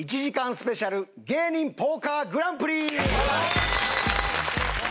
スペシャル芸人ポーカーグランプリ！！